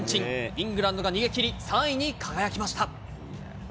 イングランドが逃げ切り、３位に輝きました。